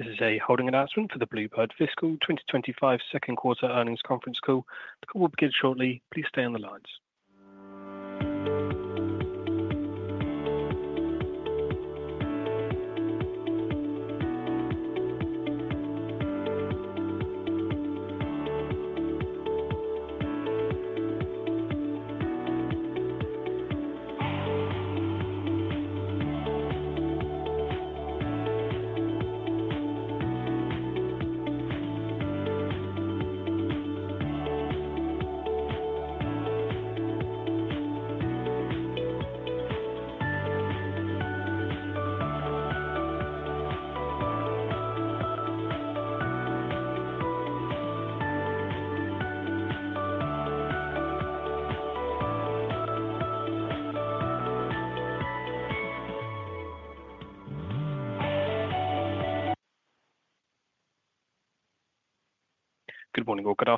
This is a holding announcement for the Blue Bird Fiscal 2025 second quarter earnings conference call. The call will begin shortly. Please stay on the lines.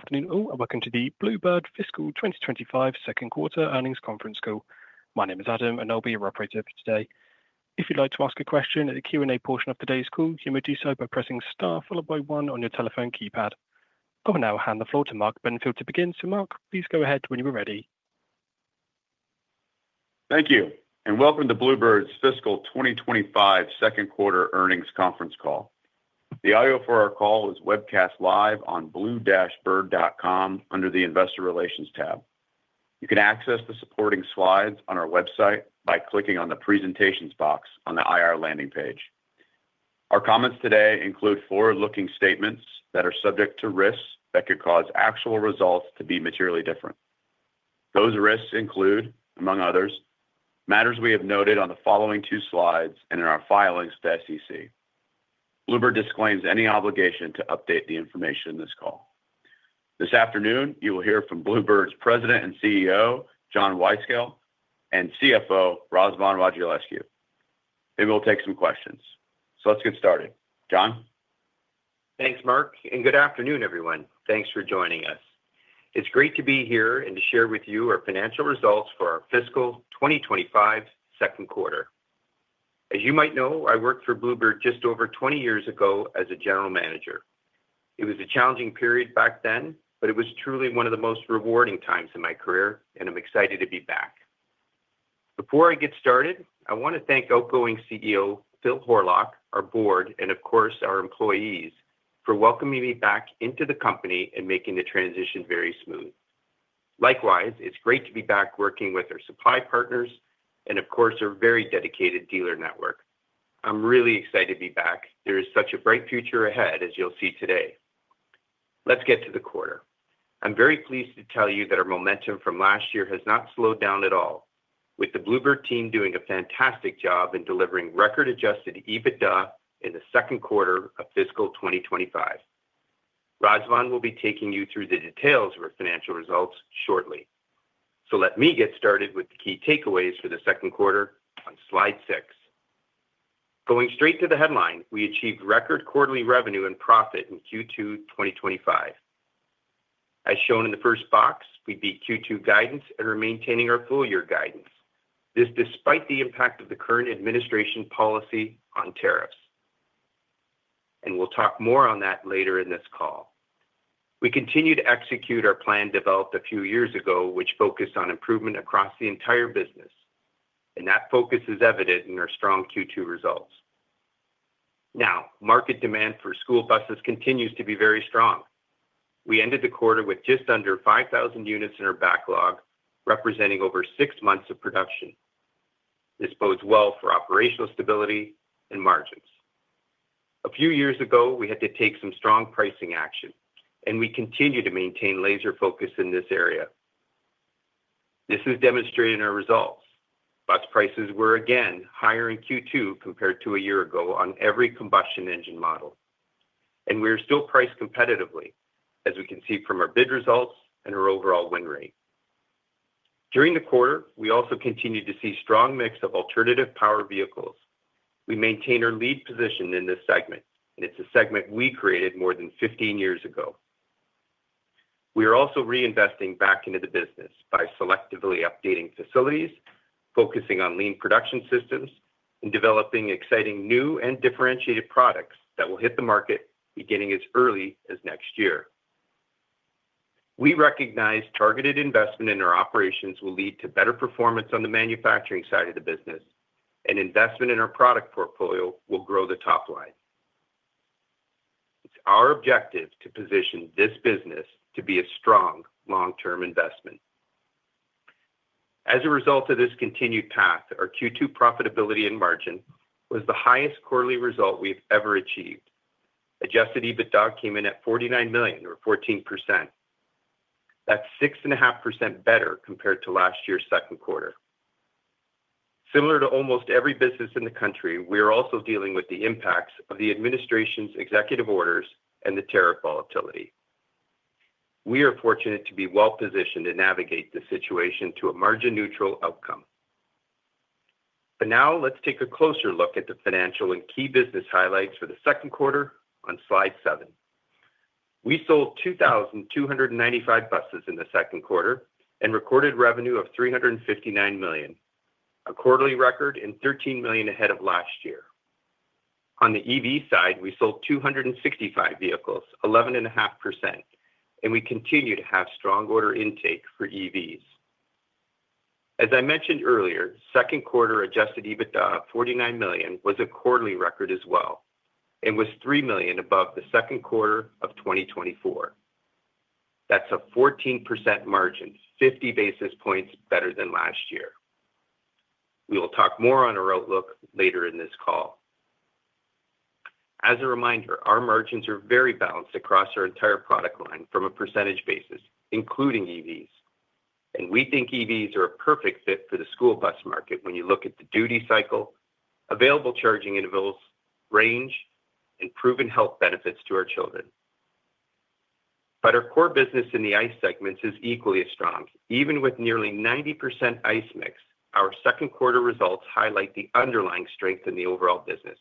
Good morning or good afternoon all, and welcome to the Blue Bird Fiscal 2025 second quarter earnings conference call. My name is Adam, and I'll be your operator for today. If you'd like to ask a question at the Q&A portion of today's call, you may do so by pressing star followed by one on your telephone keypad. I will now hand the floor to Mark Benfield to begin. So Mark, please go ahead when you are ready. Thank you, and welcome to Blue Bird's Fiscal 2025 second quarter earnings conference call. The audio for our call is webcast live on blue-bird.com under the investor relations tab. You can access the supporting slides on our website by clicking on the presentations box on the IR landing page. Our comments today include forward-looking statements that are subject to risks that could cause actual results to be materially different. Those risks include, among others, matters we have noted on the following two slides and in our filings to SEC. Blue Bird disclaims any obligation to update the information in this call. This afternoon, you will hear from Blue Bird's President and CEO, John Wyskiel, and CFO, Razvan Radulescu. They will take some questions. Let's get started. John? Thanks, Mark, and good afternoon, everyone. Thanks for joining us. It's great to be here and to share with you our financial results for our fiscal 2025 second quarter. As you might know, I worked for Blue Bird just over 20 years ago as a general manager. It was a challenging period back then, but it was truly one of the most rewarding times in my career, and I'm excited to be back. Before I get started, I want to thank outgoing CEO Phil Horlock, our board, and of course, our employees for welcoming me back into the company and making the transition very smooth. Likewise, it's great to be back working with our supply partners and, of course, our very dedicated dealer network. I'm really excited to be back. There is such a bright future ahead, as you'll see today. Let's get to the quarter. I'm very pleased to tell you that our momentum from last year has not slowed down at all, with the Blue Bird team doing a fantastic job in delivering record adjusted EBITDA in the second quarter of fiscal 2025. Razvan will be taking you through the details of our financial results shortly. Let me get started with the key takeaways for the second quarter on slide six. Going straight to the headline, we achieved record quarterly revenue and profit in Q2 2025. As shown in the first box, we beat Q2 guidance and are maintaining our full-year guidance, this despite the impact of the current administration policy on tariffs. We will talk more on that later in this call. We continue to execute our plan developed a few years ago, which focused on improvement across the entire business. That focus is evident in our strong Q2 results. Now, market demand for school buses continues to be very strong. We ended the quarter with just under 5,000 units in our backlog, representing over six months of production. This bodes well for operational stability and margins. A few years ago, we had to take some strong pricing action, and we continue to maintain laser focus in this area. This is demonstrated in our results. Bus prices were again higher in Q2 compared to a year ago on every combustion engine model. We are still priced competitively, as we can see from our bid results and our overall win rate. During the quarter, we also continue to see a strong mix of alternative power vehicles. We maintain our lead position in this segment, and it's a segment we created more than 15 years ago. We are also reinvesting back into the business by selectively updating facilities, focusing on lean production systems, and developing exciting new and differentiated products that will hit the market beginning as early as next year. We recognize targeted investment in our operations will lead to better performance on the manufacturing side of the business, and investment in our product portfolio will grow the top line. It's our objective to position this business to be a strong long-term investment. As a result of this continued path, our Q2 profitability and margin was the highest quarterly result we've ever achieved. Adjusted EBITDA came in at $49 million, or 14%. That's 6.5% better compared to last year's second quarter. Similar to almost every business in the country, we are also dealing with the impacts of the administration's executive orders and the tariff volatility. We are fortunate to be well-positioned to navigate the situation to a margin-neutral outcome. Now, let's take a closer look at the financial and key business highlights for the second quarter on slide seven. We sold 2,295 buses in the second quarter and recorded revenue of $359 million, a quarterly record and $13 million ahead of last year. On the EV side, we sold 265 vehicles, 11.5%, and we continue to have strong order intake for EVs. As I mentioned earlier, second quarter adjusted EBITDA of $49 million was a quarterly record as well and was $3 million above the second quarter of 2024. That's a 14% margin, 50 basis points better than last year. We will talk more on our outlook later in this call. As a reminder, our margins are very balanced across our entire product line from a percentage basis, including EVs. We think EVs are a perfect fit for the school bus market when you look at the duty cycle, available charging intervals, range, and proven health benefits to our children. Our core business in the ICE segments is equally as strong. Even with nearly 90% ICE mix, our second quarter results highlight the underlying strength in the overall business.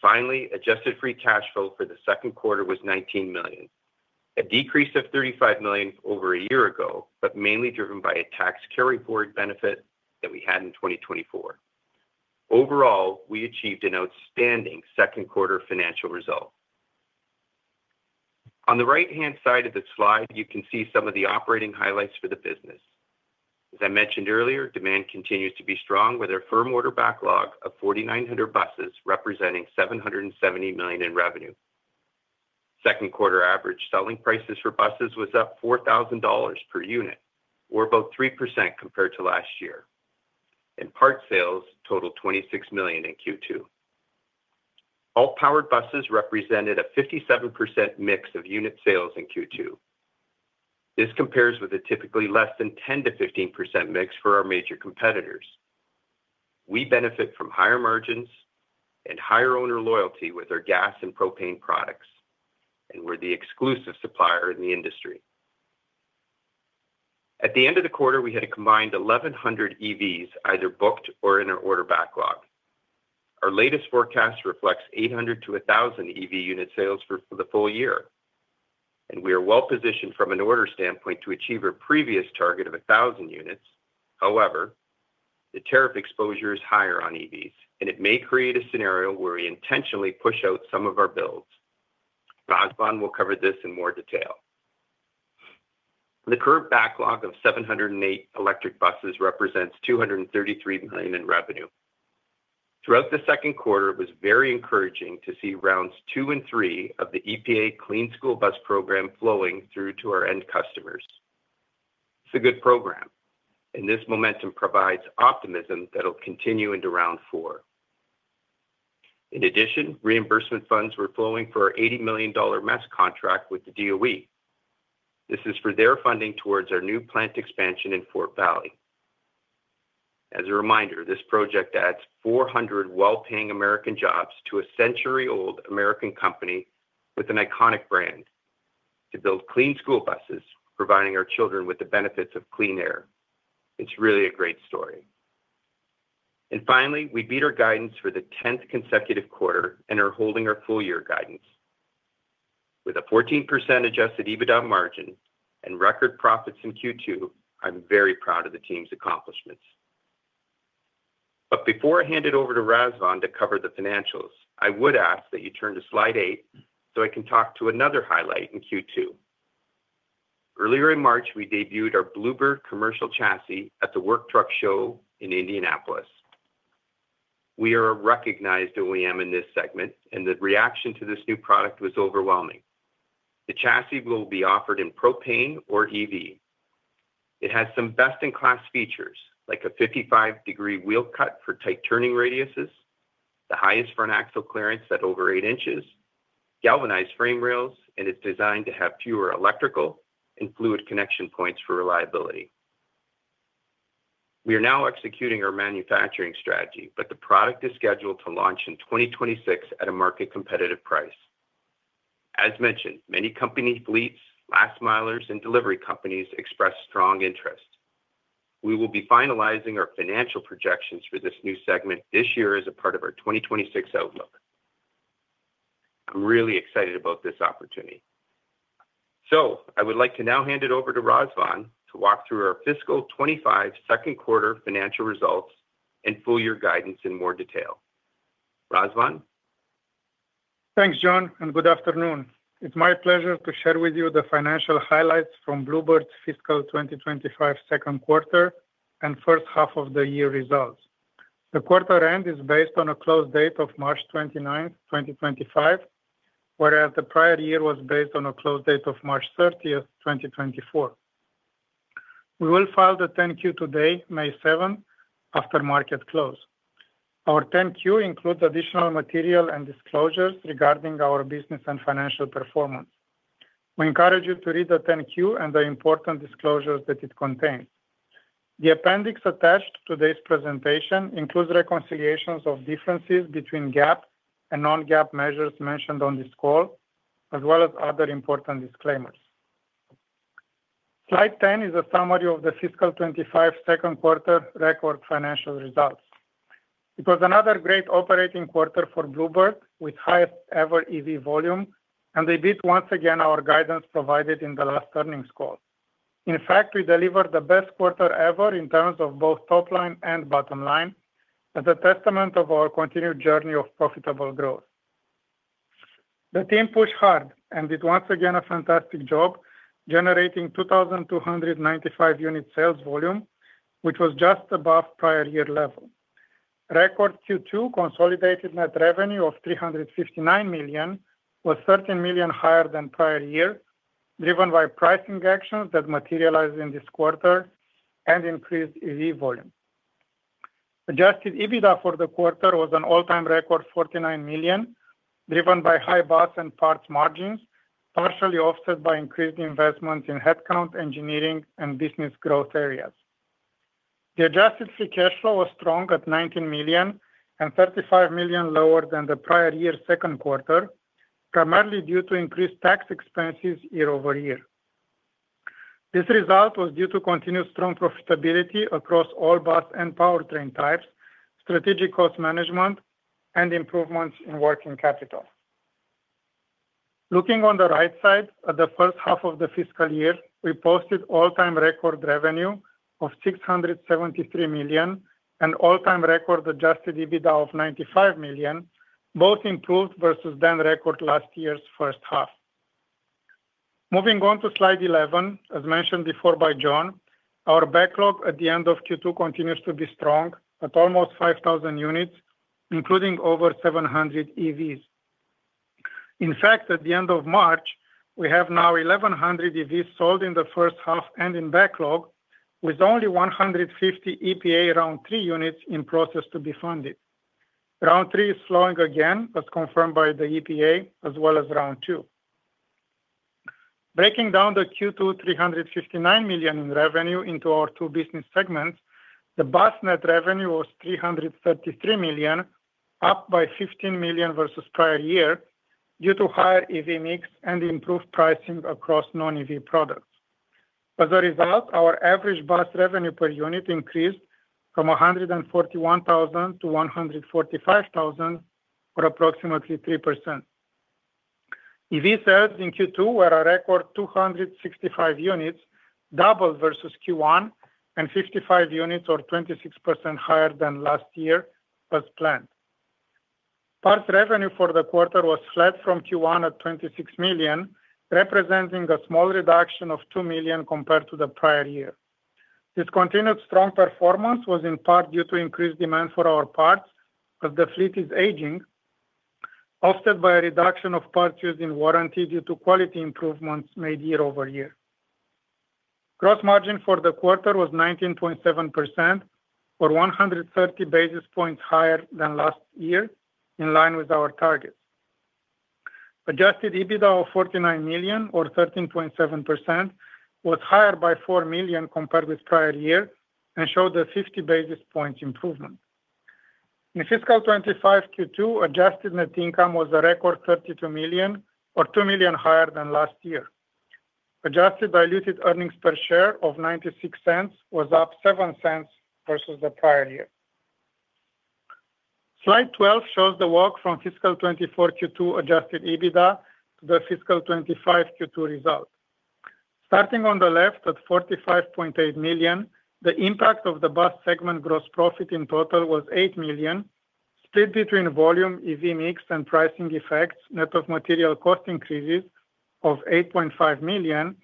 Finally, adjusted free cash flow for the second quarter was $19 million, a decrease of $35 million over a year ago, but mainly driven by a tax carry forward benefit that we had in 2024. Overall, we achieved an outstanding second quarter financial result. On the right-hand side of the slide, you can see some of the operating highlights for the business. As I mentioned earlier, demand continues to be strong with our firm order backlog of 4,900 buses representing $770 million in revenue. Second quarter average selling prices for buses was up $4,000 per unit, or about 3% compared to last year. Part sales totaled $26 million in Q2. All powered buses represented a 57% mix of unit sales in Q2. This compares with a typically less than 10%-15% mix for our major competitors. We benefit from higher margins and higher owner loyalty with our gas and propane products, and we are the exclusive supplier in the industry. At the end of the quarter, we had a combined 1,100 EVs either booked or in our order backlog. Our latest forecast reflects 800-1,000 EV unit sales for the full year. We are well positioned from an order standpoint to achieve our previous target of 1,000 units. However, the tariff exposure is higher on EVs, and it may create a scenario where we intentionally push out some of our builds. Razvan will cover this in more detail. The current backlog of 708 electric buses represents $233 million in revenue. Throughout the second quarter, it was very encouraging to see rounds two and three of the EPA Clean School Bus Program flowing through to our end customers. It's a good program. This momentum provides optimism that it'll continue into round four. In addition, reimbursement funds were flowing for our $80 million mess contract with the DOE. This is for their funding towards our new plant expansion in Fort Valley. As a reminder, this project adds 400 well-paying American jobs to a century-old American company with an iconic brand to build clean school buses, providing our children with the benefits of clean air. It's really a great story. Finally, we beat our guidance for the 10th consecutive quarter and are holding our full-year guidance. With a 14% adjusted EBITDA margin and record profits in Q2, I'm very proud of the team's accomplishments. Before I hand it over to Razvan to cover the financials, I would ask that you turn to slide eight so I can talk to another highlight in Q2. Earlier in March, we debuted our Blue Bird commercial chassis at the Work Truck Show in Indianapolis. We are a recognized OEM in this segment, and the reaction to this new product was overwhelming. The chassis will be offered in propane or EV. It has some best-in-class features, like a 55-degree wheel cut for tight turning radiuses, the highest front axle clearance at over 8 inches, galvanized frame rails, and it's designed to have fewer electrical and fluid connection points for reliability. We are now executing our manufacturing strategy, and the product is scheduled to launch in 2026 at a market-competitive price. As mentioned, many company fleets, last milers, and delivery companies express strong interest. We will be finalizing our financial projections for this new segment this year as a part of our 2026 outlook. I'm really excited about this opportunity. I would like to now hand it over to Razvan to walk through our fiscal 2025 second quarter financial results and full-year guidance in more detail. Razvan? Thanks, John, and good afternoon. It's my pleasure to share with you the financial highlights from Blue Bird's fiscal 2025 second quarter and first half of the year results. The quarter end is based on a close date of March 29th, 2025, whereas the prior year was based on a close date of March 30th, 2024. We will file the 10-Q today, May 7, after market close. Our 10-Q includes additional material and disclosures regarding our business and financial performance. We encourage you to read the 10-Q and the important disclosures that it contains. The appendix attached to today's presentation includes reconciliations of differences between GAAP and non-GAAP measures mentioned on this call, as well as other important disclaimers. Slide 10 is a summary of the fiscal 2025 second quarter record financial results. It was another great operating quarter for Blue Bird with highest ever EV volume, and they beat once again our guidance provided in the last earnings call. In fact, we delivered the best quarter ever in terms of both top line and bottom line, as a testament to our continued journey of profitable growth. The team pushed hard, and did once again a fantastic job, generating 2,295 unit sales volume, which was just above prior year level. Record Q2 consolidated net revenue of $359 million was $13 million higher than prior year, driven by pricing actions that materialized in this quarter and increased EV volume. Adjusted EBITDA for the quarter was an all-time record $49 million, driven by high bus and parts margins, partially offset by increased investments in headcount, engineering, and business growth areas. The adjusted free cash flow was strong at $19 million and $35 million lower than the prior year's second quarter, primarily due to increased tax expenses YoY. This result was due to continued strong profitability across all bus and powertrain types, strategic cost management, and improvements in working capital. Looking on the right side, at the first half of the fiscal year, we posted all-time record revenue of $673 million and all-time record adjusted EBITDA of $95 million, both improved versus then record last year's first half. Moving on to slide 11, as mentioned before by John, our backlog at the end of Q2 continues to be strong at almost 5,000 units, including over 700 EVs. In fact, at the end of March, we have now 1,100 EVs sold in the first half and in backlog, with only 150 EPA round three units in process to be funded. Round three is slowing again, as confirmed by the EPA, as well as round two. Breaking down the Q2 $359 million in revenue into our two business segments, the bus net revenue was $333 million, up by $15 million versus prior year due to higher EV mix and improved pricing across non-EV products. As a result, our average bus revenue per unit increased from $141,000 to $145,000, or approximately 3%. EV sales in Q2 were a record 265 units, double versus Q1, and 55 units, or 26% higher than last year, as planned. Parts revenue for the quarter was flat from Q1 at $26 million, representing a small reduction of $2 million compared to the prior year. This continued strong performance was in part due to increased demand for our parts, as the fleet is aging, offset by a reduction of parts used in warranty due to quality improvements made YoY. Gross margin for the quarter was 19.7%, or 130 basis points higher than last year, in line with our targets. Adjusted EBITDA of $49 million, or 13.7%, was higher by $4 million compared with prior year and showed a 50 basis points improvement. In fiscal 2025 Q2, adjusted net income was a record $32 million, or $2 million higher than last year. Adjusted diluted earnings per share of $0.96 was up $0.07 versus the prior year. Slide 12 shows the walk from fiscal 2024 Q2 adjusted EBITDA to the fiscal 2025 Q2 result. Starting on the left at $45.8 million, the impact of the bus segment gross profit in total was $8 million, split between volume, EV mix, and pricing effects, net of material cost increases of $8.5 million,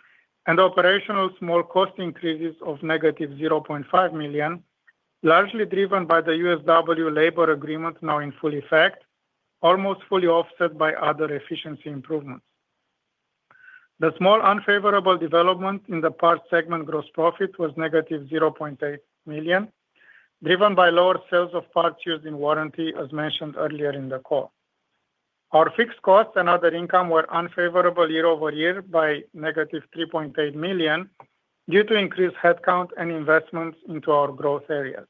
and operational small cost increases of -$0.5 million, largely driven by the USW labor agreement now in full effect, almost fully offset by other efficiency improvements. The small unfavorable development in the parts segment gross profit was -$0.8 million, driven by lower sales of parts used in warranty, as mentioned earlier in the call. Our fixed costs and other income were unfavorable YoY by -$3.8 million due to increased headcount and investments into our growth areas.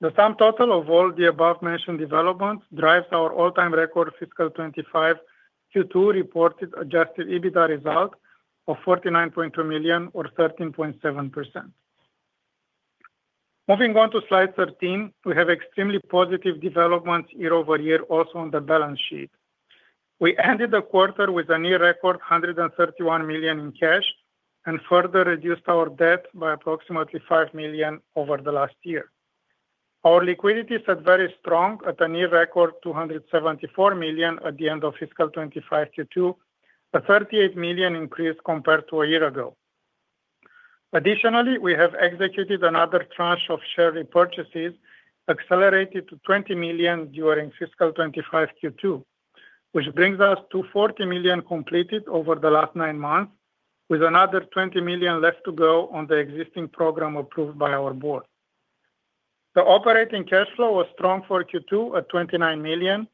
The sum total of all the above-mentioned developments drives our all-time record fiscal 2025 Q2 reported adjusted EBITDA result of $49.2 million, or 13.7%. Moving on to slide 13, we have extremely positive developments YoY also on the balance sheet. We ended the quarter with a near record $131 million in cash and further reduced our debt by approximately $5 million over the last year. Our liquidity set very strong at a near record $274 million at the end of fiscal 2025 Q2, a $38 million increase compared to a year ago. Additionally, we have executed another tranche of share repurchases accelerated to $20 million during fiscal 2025 Q2, which brings us to $40 million completed over the last nine months, with another $20 million left to go on the existing program approved by our board. The operating cash flow was strong for Q2 at $29 million,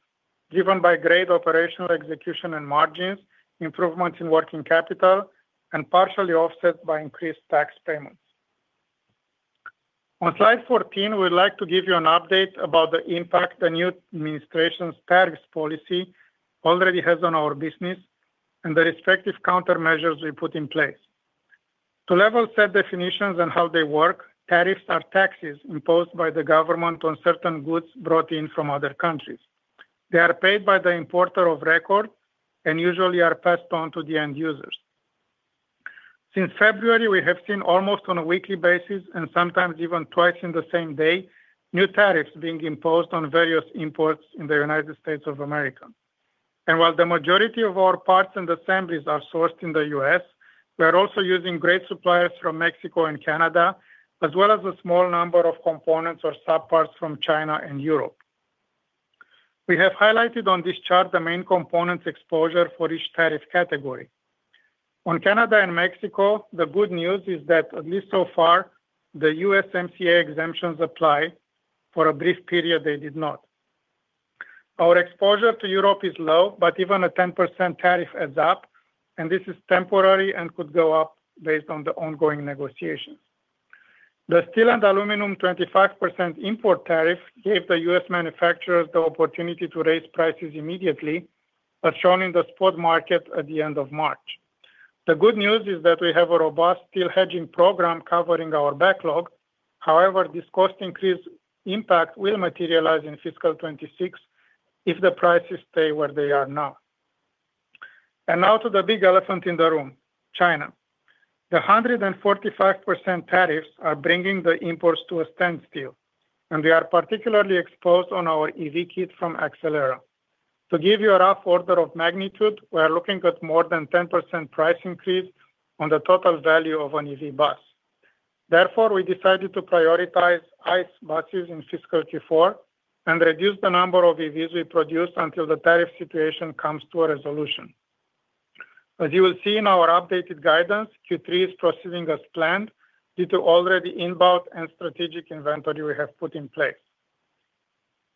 driven by great operational execution and margins, improvements in working capital, and partially offset by increased tax payments. On slide 14, we'd like to give you an update about the impact the new administration's tariffs policy already has on our business and the respective countermeasures we put in place. To level set definitions on how they work, tariffs are taxes imposed by the government on certain goods brought in from other countries. They are paid by the importer of record and usually are passed on to the end users. Since February, we have seen almost on a weekly basis and sometimes even twice in the same day new tariffs being imposed on various imports in the United States. While the majority of our parts and assemblies are sourced in the U.S., we are also using great suppliers from Mexico and Canada, as well as a small number of components or subparts from China and Europe. We have highlighted on this chart the main components exposure for each tariff category. On Canada and Mexico, the good news is that, at least so far, the USMCA exemptions apply. For a brief period, they did not. Our exposure to Europe is low, but even a 10% tariff adds up, and this is temporary and could go up based on the ongoing negotiations. The steel and aluminum 25% import tariff gave the U.S. manufacturers the opportunity to raise prices immediately, as shown in the spot market at the end of March. The good news is that we have a robust steel hedging program covering our backlog. However, this cost increase impact will materialize in fiscal 2026 if the prices stay where they are now. Now to the big elephant in the room, China. The 145% tariffs are bringing the imports to a standstill, and they are particularly exposed on our EV kit from Accelera. To give you a rough order of magnitude, we are looking at more than 10% price increase on the total value of an EV bus. Therefore, we decided to prioritize ICE buses in fiscal Q4 and reduce the number of EVs we produce until the tariff situation comes to a resolution. As you will see in our updated guidance, Q3 is proceeding as planned due to already inbound and strategic inventory we have put in place.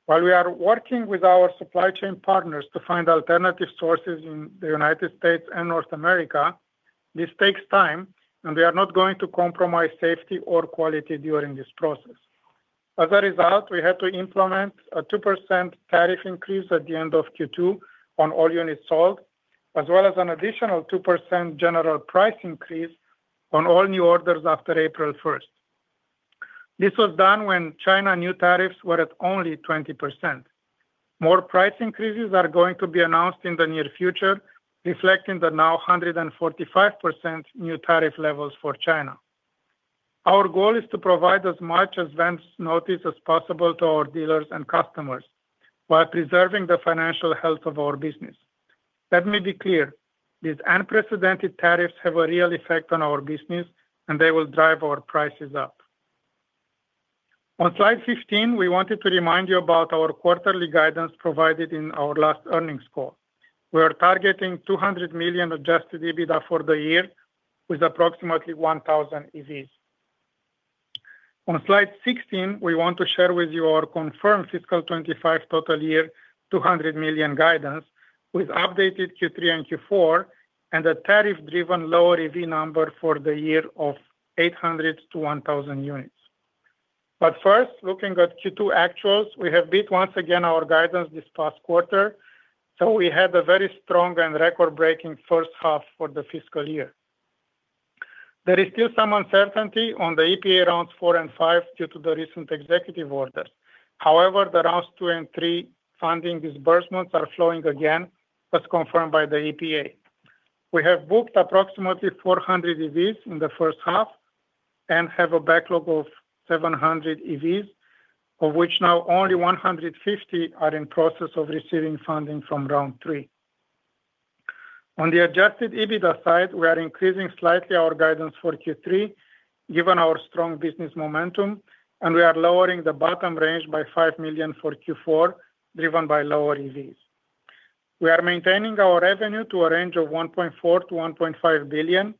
While we are working with our supply chain partners to find alternative sources in the United States and North America, this takes time, and we are not going to compromise safety or quality during this process. As a result, we had to implement a 2% tariff increase at the end of Q2 on all units sold, as well as an additional 2% general price increase on all new orders after April 1st. This was done when China new tariffs were at only 20%. More price increases are going to be announced in the near future, reflecting the now 145% new tariff levels for China. Our goal is to provide as much advance notice as possible to our dealers and customers while preserving the financial health of our business. Let me be clear. These unprecedented tariffs have a real effect on our business, and they will drive our prices up. On slide 15, we wanted to remind you about our quarterly guidance provided in our last earnings call. We are targeting $200 million adjusted EBITDA for the year, with approximately 1,000 EVs. On slide 16, we want to share with you our confirmed fiscal 2025 total year $200 million guidance with updated Q3 and Q4, and a tariff-driven lower EV number for the year of 800 units-1,000 units. First, looking at Q2 actuals, we have beat once again our guidance this past quarter, so we had a very strong and record-breaking first half for the fiscal year. There is still some uncertainty on the EPA rounds four and five due to the recent executive orders. However, the rounds two and three funding disbursements are flowing again, as confirmed by the EPA. We have booked approximately 400 EVs in the first half and have a backlog of 700 EVs, of which now only 150 are in process of receiving funding from round three. On the adjusted EBITDA side, we are increasing slightly our guidance for Q3 given our strong business momentum, and we are lowering the bottom range by $5 million for Q4, driven by lower EVs. We are maintaining our revenue to a range of $1.4 billion-$1.5 billion,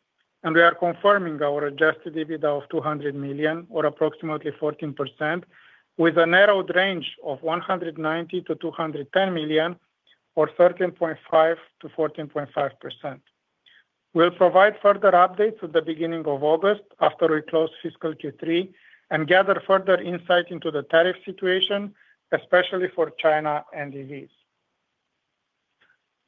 and we are confirming our adjusted EBITDA of $200 million, or approximately 14%, with a narrowed range of $190 million-$210 million, or 13.5%-14.5%. We'll provide further updates at the beginning of August after we close fiscal Q3 and gather further insight into the tariff situation, especially for China and EVs.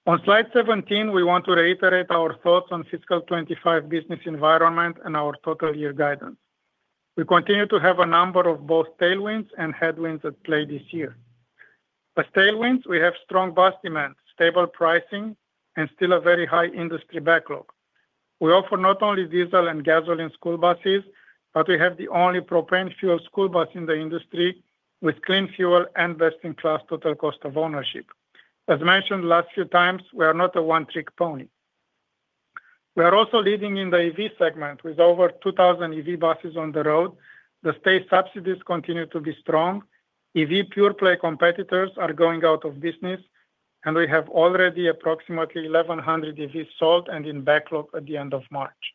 On slide 17, we want to reiterate our thoughts on fiscal 2025 business environment and our total year guidance. We continue to have a number of both tailwinds and headwinds at play this year. As tailwinds, we have strong bus demand, stable pricing, and still a very high industry backlog. We offer not only diesel and gasoline school buses, but we have the only propane-fueled school bus in the industry with clean fuel and best-in-class total cost of ownership. As mentioned last few times, we are not a one-trick pony. We are also leading in the EV segment with over 2,000 EV buses on the road. The state subsidies continue to be strong. EV pure-play competitors are going out of business, and we have already approximately 1,100 EVs sold and in backlog at the end of March.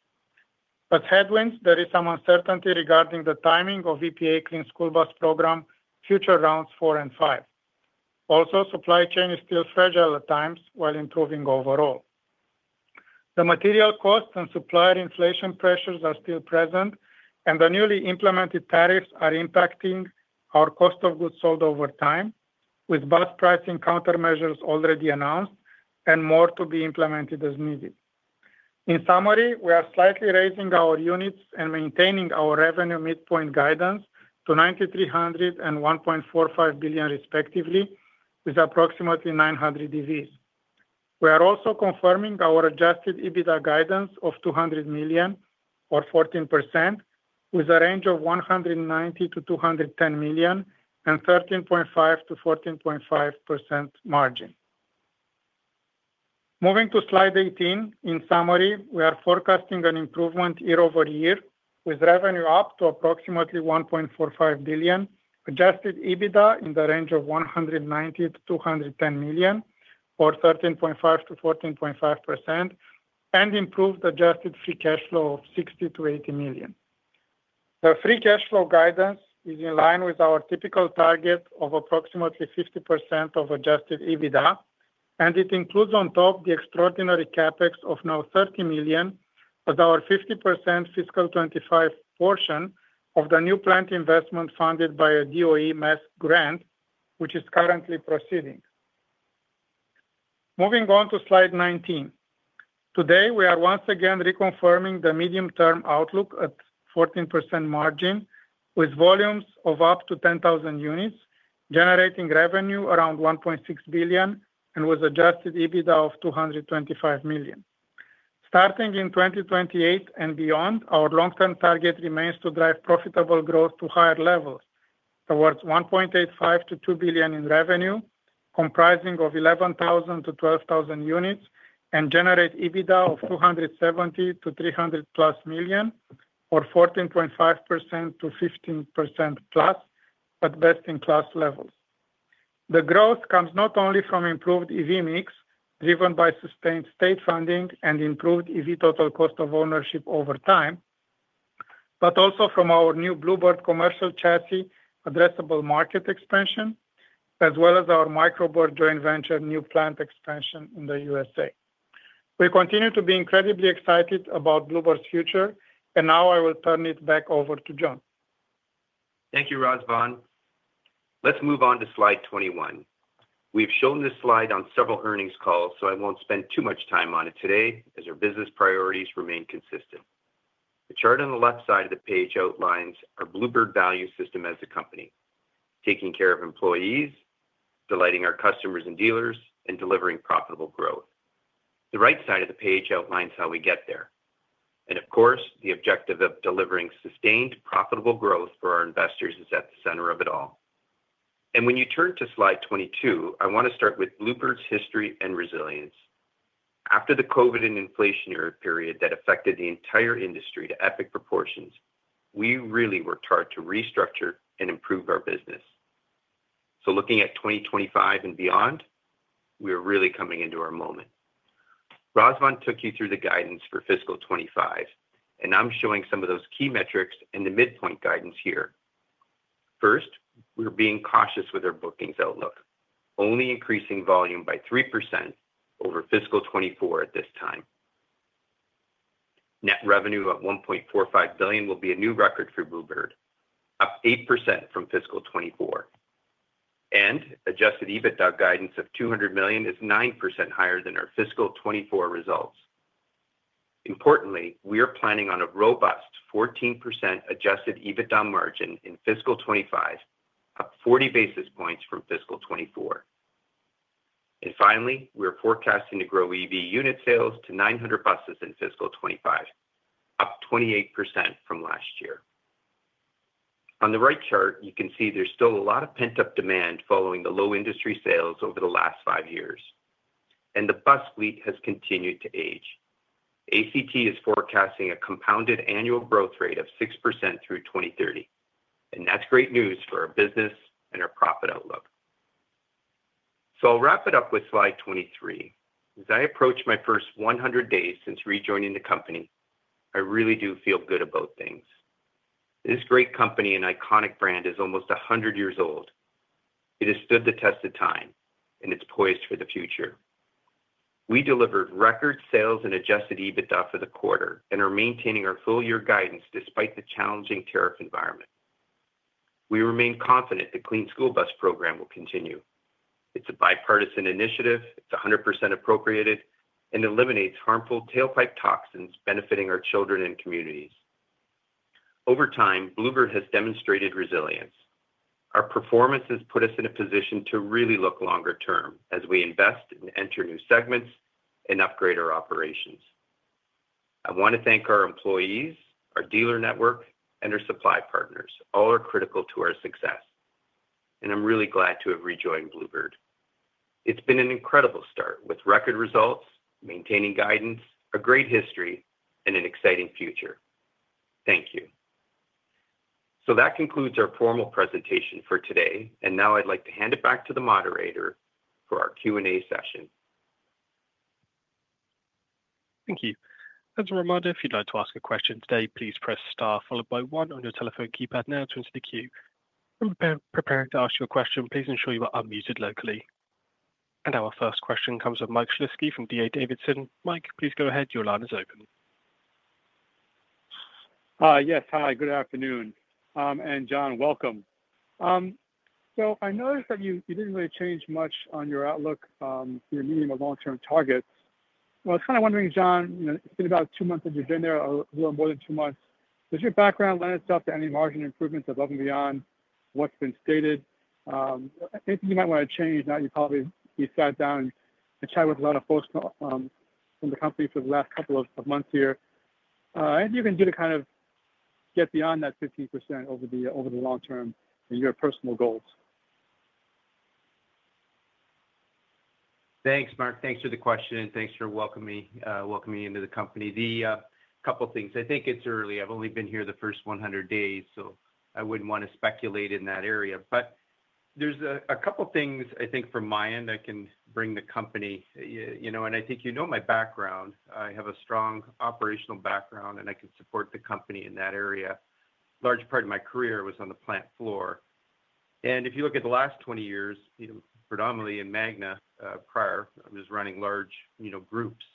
As headwinds, there is some uncertainty regarding the timing of EPA Clean School Bus Program future rounds four and five. Also, supply chain is still fragile at times while improving overall. The material costs and supplier inflation pressures are still present, and the newly implemented tariffs are impacting our cost of goods sold over time, with bus pricing countermeasures already announced and more to be implemented as needed. In summary, we are slightly raising our units and maintaining our revenue midpoint guidance to 9,300 and $1.45 billion, respectively, with approximately 900 EVs. We are also confirming our adjusted EBITDA guidance of $200 million, or 14%, with a range of $190 million-$210 million and 13.5%-14.5% margin. Moving to slide 18, in summary, we are forecasting an improvement YoY with revenue up to approximately $1.45 billion, adjusted EBITDA in the range of $190 million-$210 million, or 13.5%-14.5%, and improved adjusted free cash flow of $60 million-$80 million. The free cash flow guidance is in line with our typical target of approximately 50% of adjusted EBITDA, and it includes on top the extraordinary CapEx of now $30 million as our 50% fiscal 2025 portion of the new plant investment funded by a DOE mess grant, which is currently proceeding. Moving on to slide 19. Today, we are once again reconfirming the medium-term outlook at 14% margin with volumes of up to 10,000 units generating revenue around $1.6 billion and with adjusted EBITDA of $225 million. Starting in 2028 and beyond, our long-term target remains to drive profitable growth to higher levels towards $1.85 billion-$2 billion in revenue, comprising of 11,000 units-12,000 units, and generate EBITDA of $270 million-$300+ million, or 14.5%-15% plus at best-in-class levels. The growth comes not only from improved EV mix driven by sustained state funding and improved EV total cost of ownership over time, but also from our new Blue Bird commercial chassis addressable market expansion, as well as our Micro Bird joint venture new plant expansion in the U.S.A. We continue to be incredibly excited about Blue Bird's future, and now I will turn it back over to John. Thank you, Razvan. Let's move on to slide 21. We've shown this slide on several earnings calls, so I won't spend too much time on it today as our business priorities remain consistent. The chart on the left side of the page outlines our Blue Bird value system as a company: taking care of employees, delighting our customers and dealers, and delivering profitable growth. The right side of the page outlines how we get there. Of course, the objective of delivering sustained profitable growth for our investors is at the center of it all. When you turn to slide 22, I want to start with Blue Bird's history and resilience. After the COVID and inflationary period that affected the entire industry to epic proportions, we really worked hard to restructure and improve our business. Looking at 2025 and beyond, we are really coming into our moment. Razvan took you through the guidance for fiscal 2025, and I'm showing some of those key metrics in the midpoint guidance here. First, we're being cautious with our bookings outlook, only increasing volume by 3% over fiscal 2024 at this time. Net revenue of $1.45 billion will be a new record for Blue Bird, up 8% from fiscal 2024. Adjusted EBITDA guidance of $200 million is 9% higher than our fiscal 2024 results. Importantly, we are planning on a robust 14% adjusted EBITDA margin in fiscal 2025, up 40 basis points from fiscal 2024. Finally, we're forecasting to grow EV unit sales to 900 buses in fiscal 2025, up 28% from last year. On the right chart, you can see there's still a lot of pent-up demand following the low industry sales over the last five years, and the bus fleet has continued to age. ACT is forecasting a compounded annual growth rate of 6% through 2030, and that's great news for our business and our profit outlook. I'll wrap it up with slide 23. As I approach my first 100 days since rejoining the company, I really do feel good about things. This great company and iconic brand is almost 100 years old. It has stood the test of time, and it's poised for the future. We delivered record sales and adjusted EBITDA for the quarter and are maintaining our full-year guidance despite the challenging tariff environment. We remain confident the Clean School Bus program will continue. It's a bipartisan initiative. It's 100% appropriated and eliminates harmful tailpipe toxins benefiting our children and communities. Over time, Blue Bird has demonstrated resilience. Our performance has put us in a position to really look longer term as we invest and enter new segments and upgrade our operations. I want to thank our employees, our dealer network, and our supply partners. All are critical to our success, and I'm really glad to have rejoined Blue Bird. It's been an incredible start with record results, maintaining guidance, a great history, and an exciting future. Thank you. That concludes our formal presentation for today, and now I'd like to hand it back to the moderator for our Q&A session. Thank you. As a reminder, if you'd like to ask a question today, please press star followed by one on your telephone keypad now to enter the queue. When preparing to ask your question, please ensure you are unmuted locally. Our first question comes from Mike Shlisky from D.A. Davidson. Mike, please go ahead. Your line is open. Yes. Hi. Good afternoon. John, welcome. I noticed that you did not really change much on your outlook for your medium or long-term targets. I was kind of wondering, John, it has been about two months that you have been there, a little more than two months. Does your background lend itself to any margin improvements above and beyond what has been stated? Anything you might want to change now that you probably sat down and chatted with a lot of folks from the company for the last couple of months here? Anything you can do to kind of get beyond that 15% over the long term in your personal goals? Thanks, Mike. Thanks for the question. Thanks for welcoming me into the company. A couple of things. I think it's early. I've only been here the first 100 days, so I wouldn't want to speculate in that area. There's a couple of things I think from my end I can bring the company. I think you know my background. I have a strong operational background, and I can support the company in that area. Large part of my career was on the plant floor. If you look at the last 20 years, predominantly in Magna prior, I was running large groups,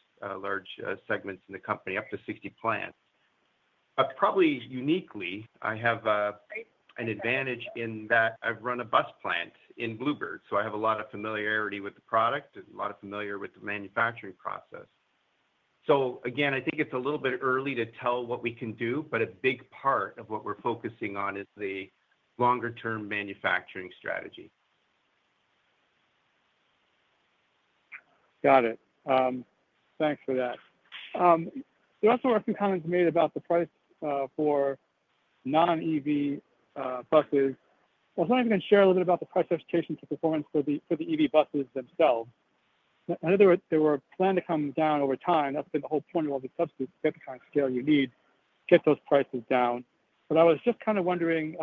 large segments in the company, up to 60 plants. Probably uniquely, I have an advantage in that I've run a bus plant in Blue Bird, so I have a lot of familiarity with the product and a lot of familiarity with the manufacturing process. Again, I think it's a little bit early to tell what we can do, but a big part of what we're focusing on is the longer-term manufacturing strategy. Got it. Thanks for that. There are some comments made about the price for non-EV buses. I was wondering if you can share a little bit about the price expectation to performance for the EV buses themselves. I know there were plans to come down over time. That's been the whole point of all these subsidies to get the kind of scale you need to get those prices down. But I was just kind of wondering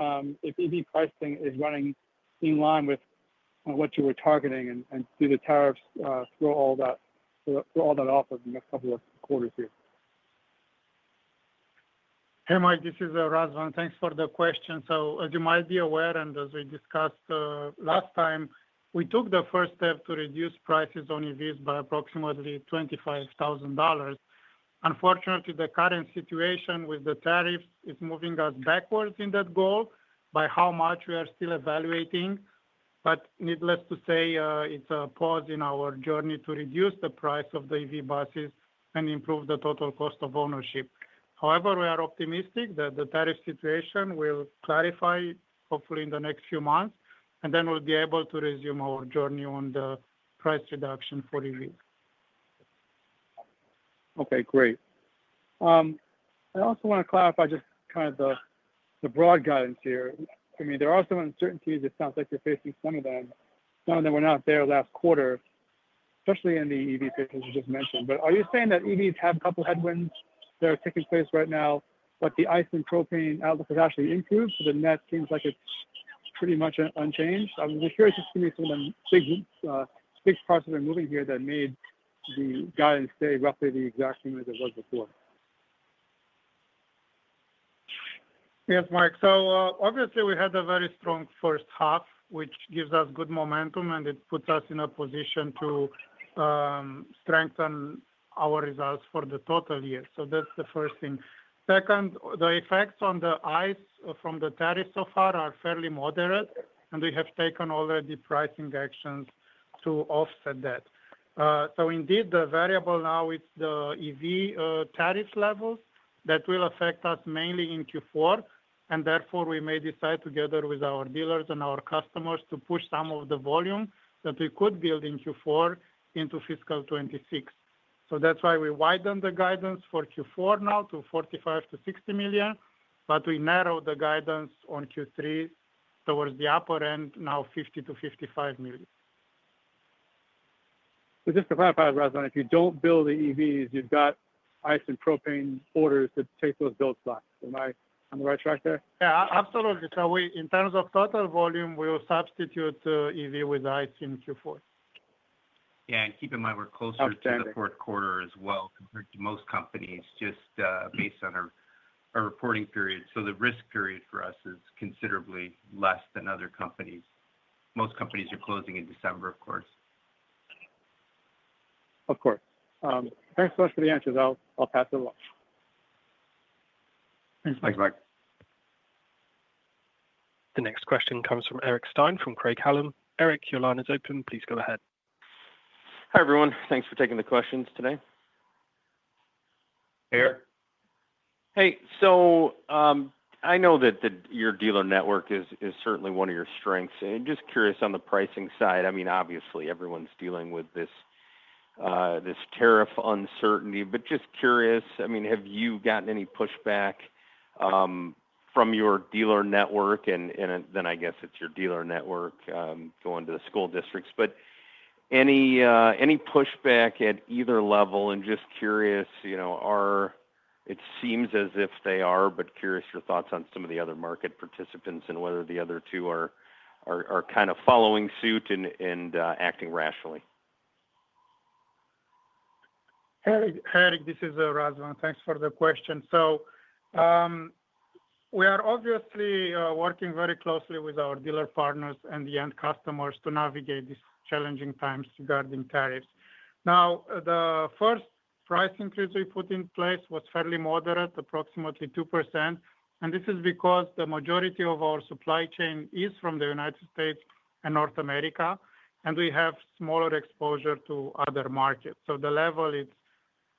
if EV pricing is running in line with what you were targeting and do the tariffs throw all that off over the next couple of quarters here? Hey, Mike. This is Razvan. Thanks for the question. So as you might be aware, and as we discussed last time, we took the first step to reduce prices on EVs by approximately $25,000. Unfortunately, the current situation with the tariffs is moving us backwards in that goal by how much we are still evaluating. But needless to say, it's a pause in our journey to reduce the price of the EV buses and improve the total cost of ownership. However, we are optimistic that the tariff situation will clarify, hopefully in the next few months, and then we'll be able to resume our journey on the price reduction for EVs. Okay. Great. I also want to clarify just kind of the broad guidance here. I mean, there are some uncertainties. It sounds like you're facing some of them. Some of them were not there last quarter, especially in the EV business you just mentioned. Are you saying that EVs have a couple of headwinds that are taking place right now, but the ICE and propane outlook has actually improved? That seems like it's pretty much unchanged. I'm curious just to give me some of the big parts that are moving here that made the guidance stay roughly the exact same as it was before. Yes, Mark. Obviously, we had a very strong first half, which gives us good momentum, and it puts us in a position to strengthen our results for the total year. That's the first thing. Second, the effects on the ICE from the tariffs so far are fairly moderate, and we have taken already pricing actions to offset that. Indeed, the variable now is the EV tariff levels that will affect us mainly in Q4, and therefore we may decide together with our dealers and our customers to push some of the volume that we could build in Q4 into fiscal 2026. That is why we widened the guidance for Q4 now to $45 million-$60 million, but we narrowed the guidance on Q3 towards the upper end, now $50 million-$55 million. Just to clarify, Razvan, if you do not build the EVs, you have got ICE and propane orders to take those build slots. Am I on the right track there? Yeah, absolutely. In terms of total volume, we will substitute EV with ICE in Q4. Yeah. Keep in mind we're closer to the fourth quarter as well compared to most companies just based on our reporting period. The risk period for us is considerably less than other companies. Most companies are closing in December, of course. Thanks so much for the answers. I'll pass it along. Thanks, Mark. The next question comes from Eric Stine from Craig-Hallum. Eric, your line is open. Please go ahead. Hi everyone. Thanks for taking the questions today. Here. Hey. I know that your dealer network is certainly one of your strengths. Just curious on the pricing side. I mean, obviously, everyone's dealing with this tariff uncertainty, but just curious, I mean, have you gotten any pushback from your dealer network? And then I guess it's your dealer network going to the school districts. Any pushback at either level? Just curious, it seems as if they are, but curious your thoughts on some of the other market participants and whether the other two are kind of following suit and acting rationally. Hey, Eric. This is Razvan. Thanks for the question. We are obviously working very closely with our dealer partners and the end customers to navigate these challenging times regarding tariffs. The first price increase we put in place was fairly moderate, approximately 2%. This is because the majority of our supply chain is from the United States and North America, and we have smaller exposure to other markets. The level is,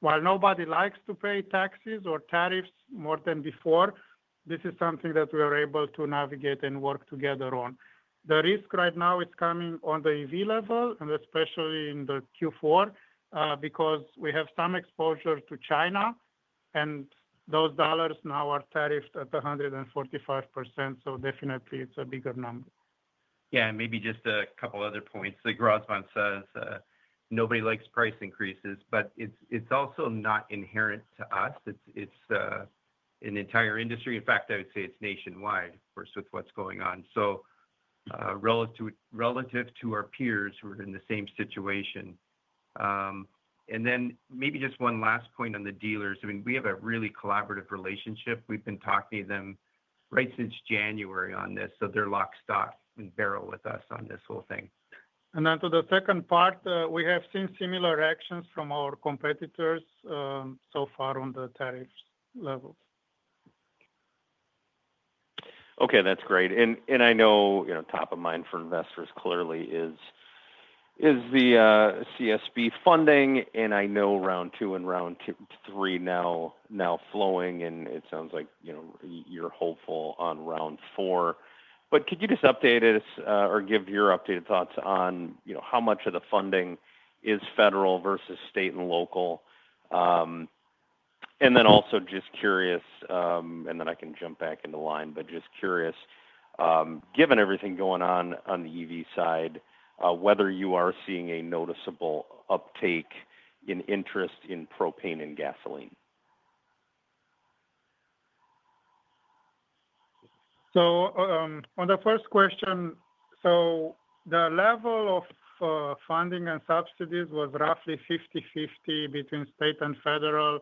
while nobody likes to pay taxes or tariffs more than before, this is something that we are able to navigate and work together on. The risk right now is coming on the EV level, and especially in Q4, because we have some exposure to China, and those dollars now are tariffed at 145%. So definitely, it is a bigger number. Yeah. Maybe just a couple of other points. Like Razvan says, nobody likes price increases, but it is also not inherent to us. It is an entire industry. In fact, I would say it is nationwide, of course, with what is going on. Relative to our peers who are in the same situation. Maybe just one last point on the dealers. I mean, we have a really collaborative relationship. We have been talking to them right since January on this, so they are locked stock and barrel with us on this whole thing. To the second part, we have seen similar actions from our competitors so far on the tariff levels. Okay. That is great. I know top of mind for investors clearly is the CSB funding. I know round two and round three now flowing, and it sounds like you're hopeful on round four. Could you just update us or give your updated thoughts on how much of the funding is federal versus state and local? Also just curious, and then I can jump back into line, but just curious, given everything going on on the EV side, whether you are seeing a noticeable uptake in interest in propane and gasoline? On the first question, the level of funding and subsidies was roughly 50/50 between state and federal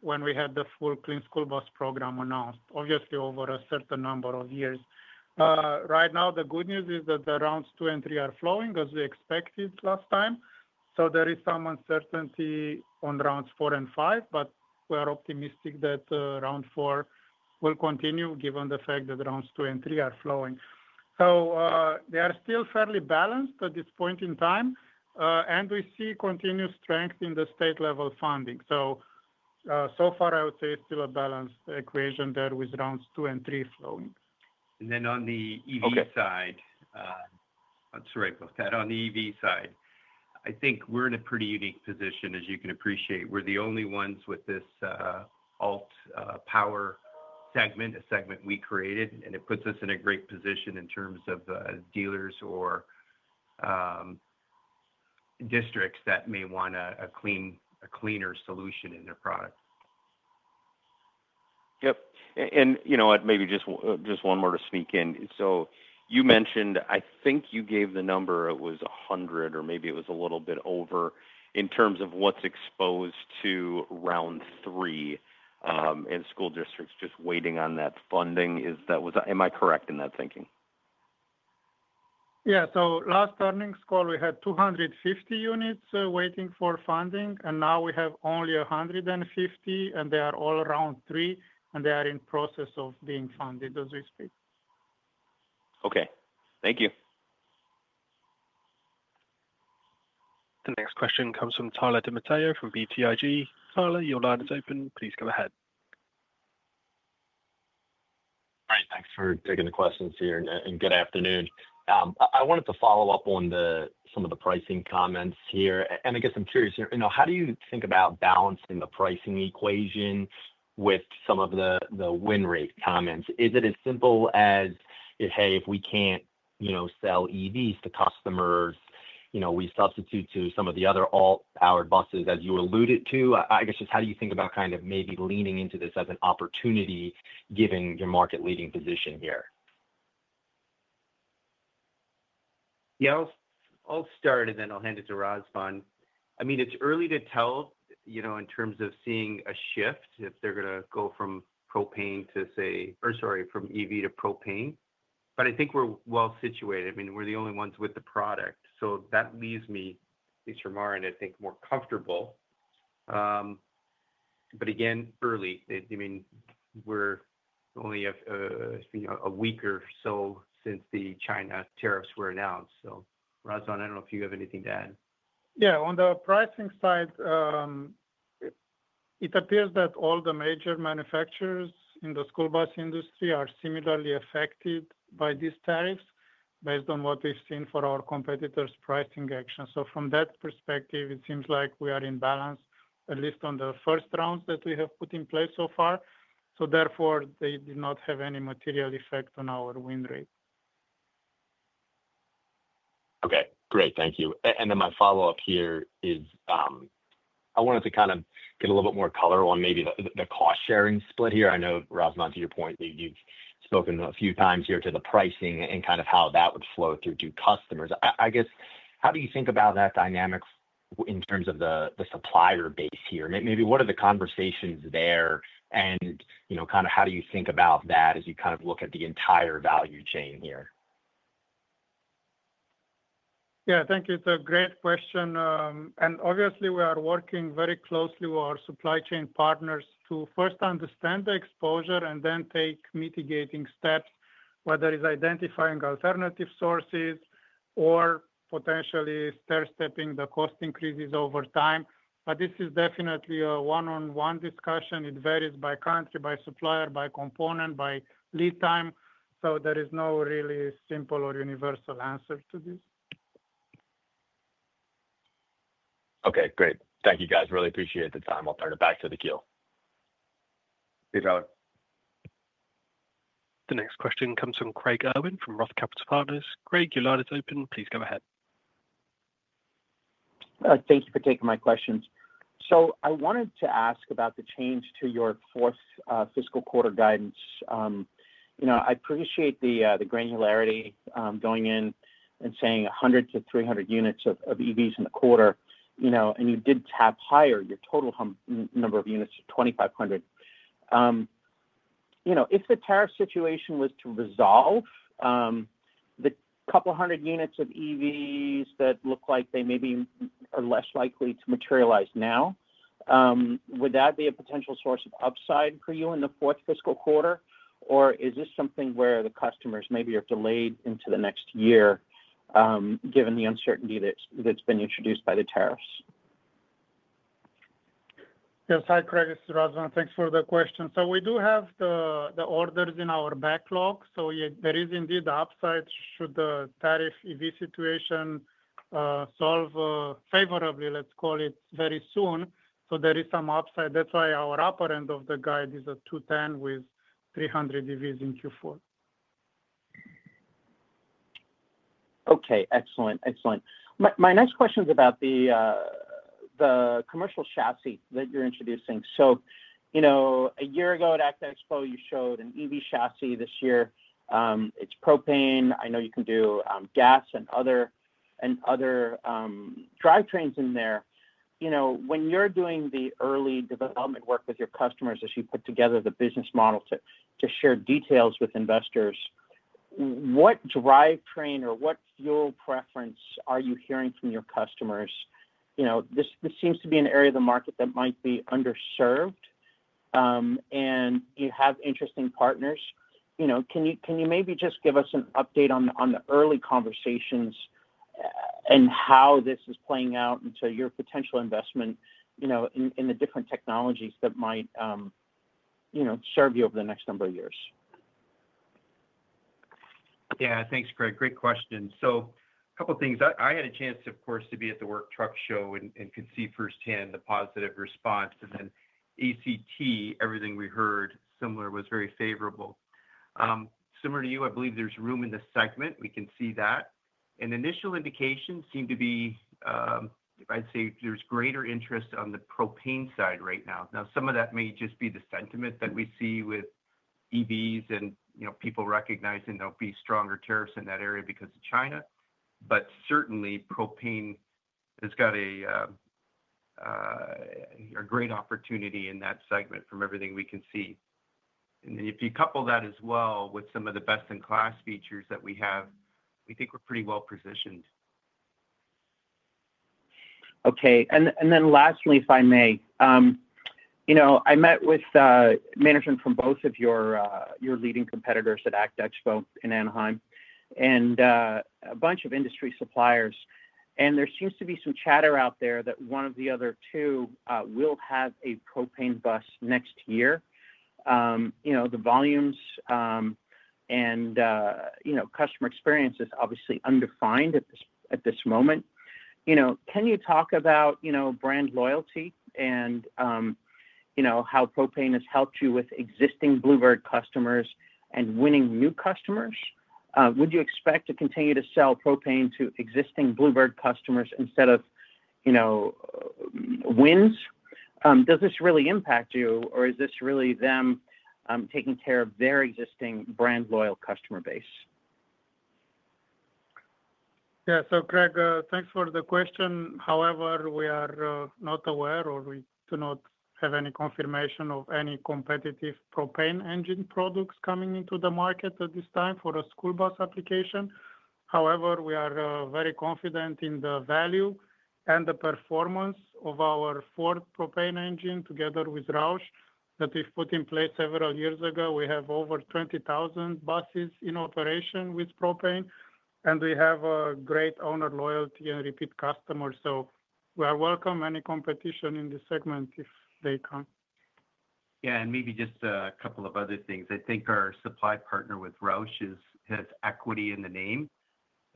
when we had the full Clean School Bus program announced, obviously over a certain number of years. Right now, the good news is that rounds two and three are flowing as we expected last time. There is some uncertainty on rounds four and five, but we are optimistic that round four will continue ,given the fact that rounds two and three are flowing. They are still fairly balanced at this point in time, and we see continued strength in the state-level funding. So far, I would say it's still a balanced equation there with rounds two and three flowing. On the EV side, sorry, both that on the EV side, I think we're in a pretty unique position, as you can appreciate. We're the only ones with this alt power segment, a segment we created, and it puts us in a great position in terms of dealers or districts that may want a cleaner solution in their product. Yep. Maybe just one more to speak in. You mentioned, I think you gave the number it was 100 or maybe it was a little bit over in terms of what's exposed to round three in school districts just waiting on that funding. Am I correct in that thinking? Yeah. Last earnings call, we had 250 units waiting for funding, and now we have only 150, and they are all round three, and they are in process of being funded as we speak. Okay. Thank you. The next question comes from Tyler DiMatteo from BTIG. Tyler, your line is open. Please go ahead. All right. Thanks for taking the questions here. Good afternoon. I wanted to follow up on some of the pricing comments here. I guess I'm curious, how do you think about balancing the pricing equation with some of the win rate comments? Is it as simple as, "Hey, if we can't sell EVs to customers, we substitute to some of the other alt-powered buses," as you alluded to? I guess just how do you think about kind of maybe leaning into this as an opportunity given your market-leading position here? Yeah. I'll start, and then I'll hand it to Razvan. I mean, it's early to tell in terms of seeing a shift if they're going to go from propane to, say, or sorry, from EV to propane. I think we're well situated. I mean, we're the only ones with the product. That leaves me, at least from our end, I think, more comfortable. Again, early. I mean, we're only a week or so since the China tariffs were announced. Razvan, I don't know if you have anything to add. Yeah. On the pricing side, it appears that all the major manufacturers in the school bus industry are similarly affected by these tariffs based on what we've seen for our competitors' pricing actions. From that perspective, it seems like we are in balance, at least on the first rounds that we have put in place so far. Therefore, they did not have any material effect on our win rate. Okay. Great. Thank you. My follow-up here is I wanted to kind of get a little bit more color on maybe the cost-sharing split here. I know, Razvan, to your point, you've spoken a few times here to the pricing and kind of how that would flow through to customers. I guess, how do you think about that dynamic in terms of the supplier base here? Maybe what are the conversations there? Kind of how do you think about that as you kind of look at the entire value chain here? Yeah. Thank you. It's a great question. Obviously, we are working very closely with our supply chain partners to first understand the exposure and then take mitigating steps, whether it's identifying alternative sources or potentially stair-stepping the cost increases over time. This is definitely a one-on-one discussion. It varies by country, by supplier, by component, by lead time. There is no really simple or universal answer to this. Okay. Great. Thank you, guys. Really appreciate the time. I'll turn it back to the queue. Hey, Tyler. The next question comes from Craig Owen from Roth Capital Partners. Craig, your line is open. Please go ahead. Thank you for taking my questions. I wanted to ask about the change to your fourth fiscal quarter guidance. I appreciate the granularity going in and saying 100 units to 300 units of EVs in the quarter. And you did tap higher. Your total number of units is 2,500. If the tariff situation was to resolve, the couple of hundred units of EVs that look like they maybe are less likely to materialize now, would that be a potential source of upside for you in the fourth fiscal quarter? Or is this something where the customers maybe are delayed into the next year given the uncertainty that's been introduced by the tariffs? Yes. Hi, Craig. This is Razvan. Thanks for the question. So we do have the orders in our backlog. So there is indeed the upside should the tariff EV situation solve favorably, let's call it, very soon. So there is some upside. That's why our upper end of the guide is a 210 with 300 EVs in Q4. Okay. Excellent. Excellent. My next question is about the commercial chassis that you're introducing. So a year ago at ACT Expo, you showed an EV chassis. This year, it's propane. I know you can do gas and other drivetrains in there. When you're doing the early development work with your customers as you put together the business model to share details with investors, what drivetrain or what fuel preference are you hearing from your customers? This seems to be an area of the market that might be underserved, and you have interesting partners. Can you maybe just give us an update on the early conversations and how this is playing out into your potential investment in the different technologies that might serve you over the next number of years? Yeah. Thanks, Craig. Great question. So a couple of things. I had a chance, of course, to be at the Work Truck Show and could see firsthand the positive response. ACT, everything we heard similar was very favorable. Similar to you, I believe there's room in the segment. We can see that. Initial indications seem to be, I'd say, there's greater interest on the propane side right now. Some of that may just be the sentiment that we see with EVs and people recognizing there'll be stronger tariffs in that area because of China. Certainly, propane has got a great opportunity in that segment from everything we can see. If you couple that as well with some of the best-in-class features that we have, we think we're pretty well positioned. Okay. Lastly, if I may, I met with management from both of your leading competitors at ACT Expo in Anaheim and a bunch of industry suppliers. There seems to be some chatter out there that one of the other two will have a propane bus next year. The volumes and customer experience is obviously undefined at this moment. Can you talk about brand loyalty and how propane has helped you with existing Blue Bird customers and winning new customers? Would you expect to continue to sell propane to existing Blue Bird customers instead of wins? Does this really impact you, or is this really them taking care of their existing brand-loyal customer base? Yeah. Craig, thanks for the question. However, we are not aware or we do not have any confirmation of any competitive propane engine products coming into the market at this time for a school bus application. However, we are very confident in the value and the performance of our fourth propane engine together with ROUSH that we've put in place several years ago. We have over 20,000 buses in operation with propane, and we have great owner loyalty and repeat customers. We are welcome to any competition in the segment if they come. Yeah. Maybe just a couple of other things. I think our supply partner with ROUSH has equity in the name,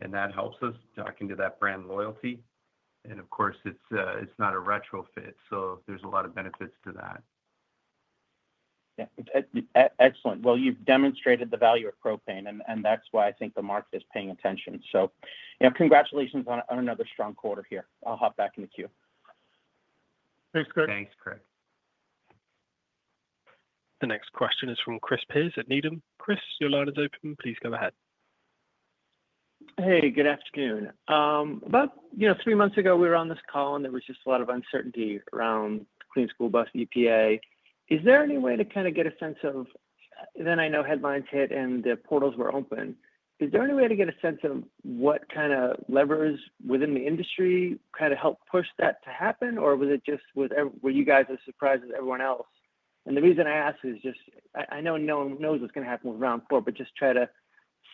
and that helps us talking to that brand loyalty. Of course, it's not a retrofit, so there's a lot of benefits to that. Yeah. Excellent. You've demonstrated the value of propane, and that's why I think the market is paying attention. Congratulations on another strong quarter here. I'll hop back in the queue. Thanks, Craig. The next question is from Chris Pierce at Needham. Chris, your line is open. Please go ahead. Hey, good afternoon. About three months ago, we were on this call, and there was just a lot of uncertainty around clean school bus EPA. Is there any way to kind of get a sense of then I know headlines hit and the portals were open. Is there any way to get a sense of what kind of levers within the industry kind of helped push that to happen, or was it just were you guys as surprised as everyone else? The reason I ask is just I know no one knows what's going to happen with round four, but just try to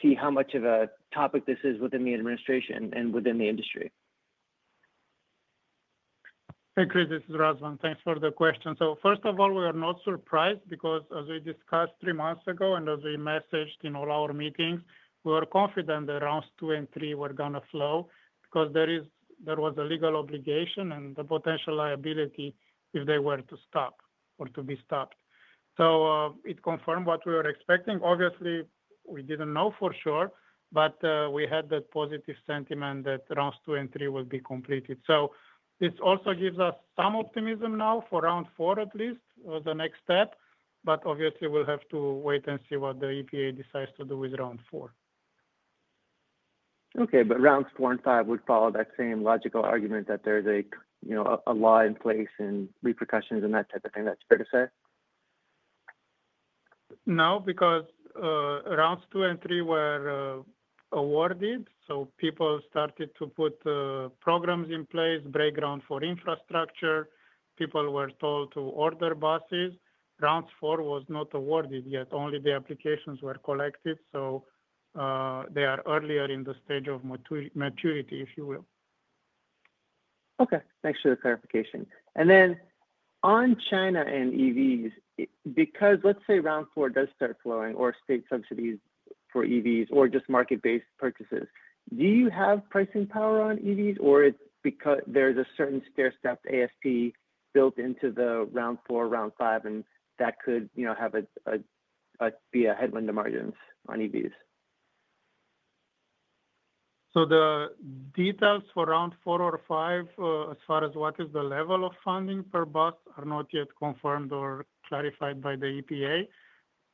see how much of a topic this is within the administration and within the industry. Hey, Chris, this is Razvan. Thanks for the question. First of all, we are not surprised because as we discussed three months ago and as we messaged in all our meetings, we were confident that rounds two and three were going to flow because there was a legal obligation and the potential liability if they were to stop or to be stopped. It confirmed what we were expecting. Obviously, we didn't know for sure, but we had that positive sentiment that rounds two and three will be completed. This also gives us some optimism now for round four at least as a next step. Obviously, we'll have to wait and see what the EPA decides to do with round four. Okay. But rounds four and five would follow that same logical argument that there's a law in place and repercussions and that type of thing. That's fair to say? No, because rounds two and three were awarded. So people started to put programs in place, break ground for infrastructure. People were told to order buses. Round four was not awarded yet. Only the applications were collected. So they are earlier in the stage of maturity, if you will. Okay. Thanks for the clarification. On China and EVs, because let's say round four does start flowing or state subsidies for EVs or just market-based purchases, do you have pricing power on EVs, or there's a certain stair-stepped AST built into the round four, round five, and that could be a headwind to margins on EVs? The details for round four or five, as far as what is the level of funding per bus, are not yet confirmed or clarified by the EPA.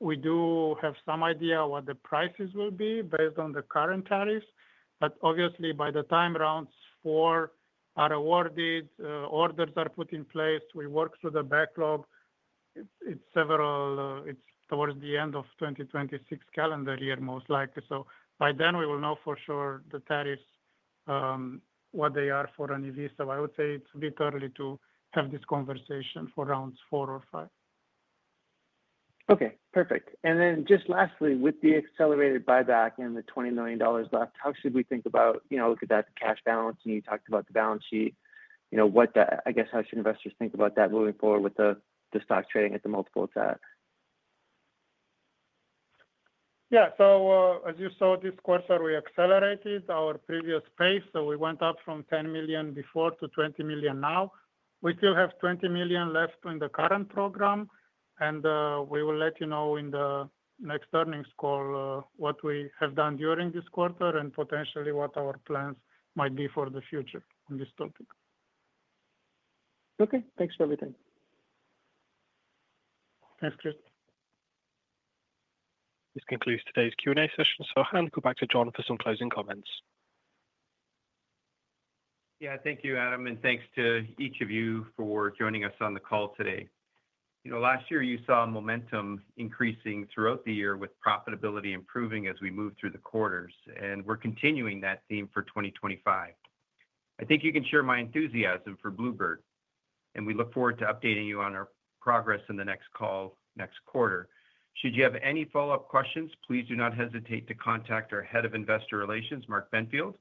We do have some idea what the prices will be based on the current tariffs. Obviously, by the time rounds four are awarded, orders are put in place. We work through the backlog. It is towards the end of 2026 calendar year, most likely. By then, we will know for sure the tariffs, what they are for an EV. I would say it's a bit early to have this conversation for rounds four or five. Okay. Perfect. And then just lastly, with the accelerated buyback and the $20 million left, how should we think about, look at that cash balance? And you talked about the balance sheet. I guess how should investors think about that moving forward with the stock trading at the multiple of that? Yeah. As you saw this quarter, we accelerated our previous pace. We went up from $10 million before to $20 million now. We still have $20 million left in the current program. We will let you know in the next earnings call what we have done during this quarter and potentially what our plans might be for the future on this topic. Okay. Thanks for everything. Thanks, Chris. This concludes today's Q&A session. I'll hand it back to John for some closing comments. Yeah. Thank you, Adam. And thanks to each of you for joining us on the call today. Last year, you saw momentum increasing throughout the year with profitability improving as we moved through the quarters. We're continuing that theme for 2025. I think you can share my enthusiasm for Blue Bird. We look forward to updating you on our progress in the next call next quarter. Should you have any follow-up questions, please do not hesitate to contact our Head of Investor Relations, Mark Benfield.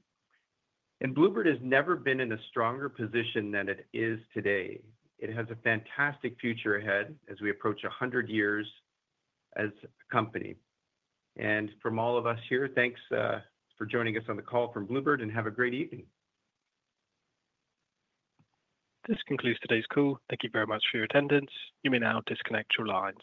Blue Bird has never been in a stronger position than it is today. It has a fantastic future ahead as we approach 100 years as a company. From all of us here, thanks for joining us on the call from Blue Bird, and have a great evening. This concludes today's call. Thank you very much for your attendance. You may now disconnect your lines.